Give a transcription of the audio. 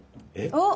おっ！